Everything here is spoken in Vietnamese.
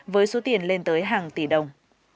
với số tiền lên tới hàng tỷ đồng